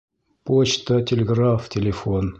Почта, телеграф, телефон